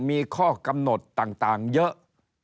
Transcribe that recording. มีข้อกำหนดต่างเยอะ